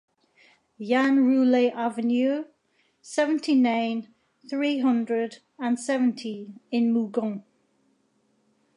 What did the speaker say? Yann Roullet avenue, seventy-nine, three hundred and seventy in Mougon.